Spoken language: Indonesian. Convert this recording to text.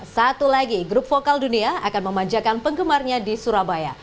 satu lagi grup vokal dunia akan memanjakan penggemarnya di surabaya